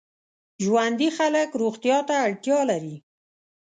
ژوندي خلک روغتیا ته اړتیا لري